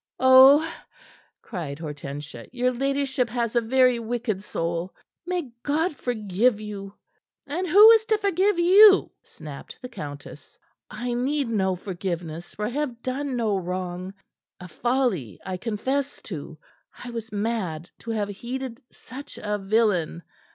"Oh!" cried Hortensia. "Your ladyship has a very wicked soul. May God forgive you!" "And who is to forgive you?" snapped the countess. "I need no forgiveness, for I have done no wrong. A folly, I confess to. I was mad to have heeded such a villain."